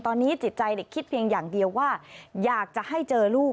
ตอนนี้จิตใจเด็กคิดเพียงอย่างเดียวว่าอยากจะให้เจอลูก